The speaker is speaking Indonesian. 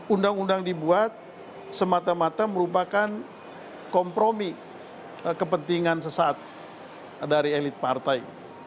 undang undang dibuat semata mata merupakan kompromi kepentingan sesat dari elit partai